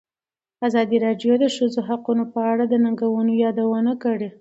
ازادي راډیو د د ښځو حقونه په اړه د ننګونو یادونه کړې.